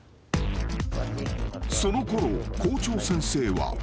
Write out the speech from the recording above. ［そのころ校長先生は］